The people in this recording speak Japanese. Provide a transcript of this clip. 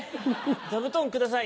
座布団ください